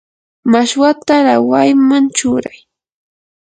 mashwata rawayman churay.